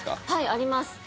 はい、あります。